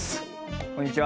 こんにちは。